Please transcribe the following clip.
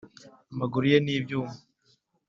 amaguru ye ni ibyuma